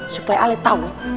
supaya ale tahu